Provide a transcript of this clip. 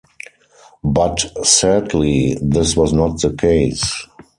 But sadly, this was not the case.